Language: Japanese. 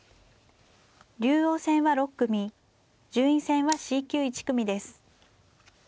竜王戦は６組順位戦はＣ級１組です。